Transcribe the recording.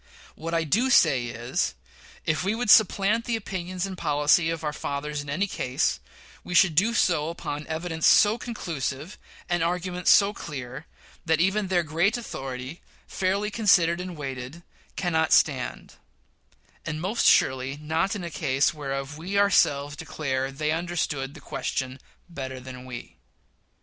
What I do say is that, if we would supplant the opinions and policy of our fathers in any case, we should do so upon evidence so conclusive, and argument so clear, that even their great authority, fairly considered and weighed, cannot stand; and most surely not in a case whereof we ourselves declare they understood the question better than we.